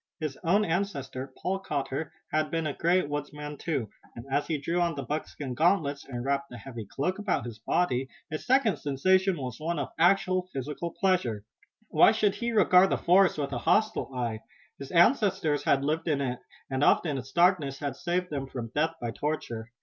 His own ancestor, Paul Cotter, had been a great woodsman too, and, as he drew on the buckskin gauntlets and wrapped the heavy cloak about his body, his second sensation was one of actual physical pleasure. Why should he regard the forest with a hostile eye? His ancestors had lived in it and often its darkness had saved them from death by torture.